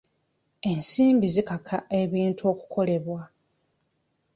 Ensimbi zikaka ebintu okukolebwa.